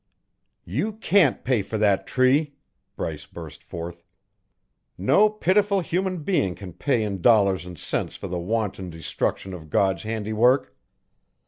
"You can't pay for that tree," Bryce burst forth. "No pitiful human being can pay in dollars and cents for the wanton destruction of God's handiwork.